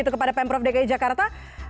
kepada pm prof dki jakarta